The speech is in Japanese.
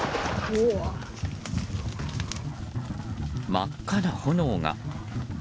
真っ赤な炎が。